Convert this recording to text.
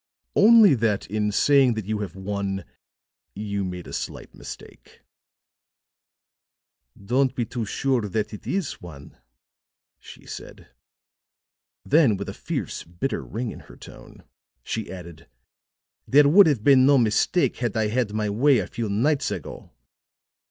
"Only that in saying that you have won you made a slight mistake." "Don't be too sure that it is one," she said. Then with a fierce, bitter ring in her tone, she added: "There would have been no mistake had I had my way a few nights ago."